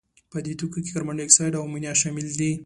په دې توکو کې کاربن دای اکساید او امونیا شامل دي.